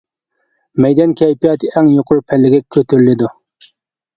مەيدان كەيپىياتى ئەڭ يۇقىرى پەللىگە كۆتۈرۈلىدۇ.